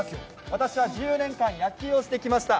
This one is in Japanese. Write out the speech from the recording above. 私は１０年間、野球をしてきました。